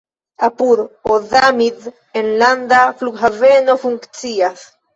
Apud Ozamiz enlanda flughaveno funkcias.